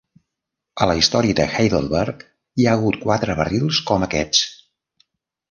A la història de Heidelberg hi ha hagut quatre barrils com aquests.